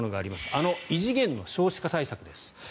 あの異次元の少子化対策です。